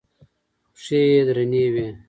پښې يې درنې وې.